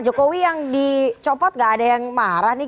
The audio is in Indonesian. jokowi yang dicopot gak ada yang marah nih